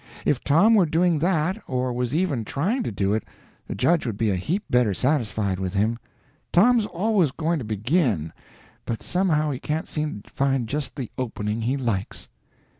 If Tom were doing that, or was even trying to do it, the judge would be a heap better satisfied with him. Tom's always going to begin, but somehow he can't seem to find just the opening he likes."